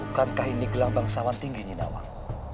bukankah ini gelang bangsawan tinggi nyi nawang